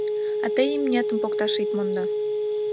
— А тый имнетым покташ ит мондо!